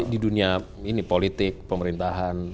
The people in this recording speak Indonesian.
di dunia ini politik pemerintahan